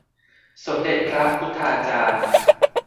สมเด็จพระพุฒาจารย์